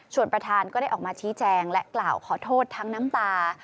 ส่วนประธานก็ได้ออกมาชี้แจงและกล่าวขอโทษทั้งน้ำตา